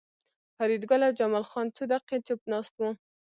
فریدګل او جمال خان څو دقیقې چوپ ناست وو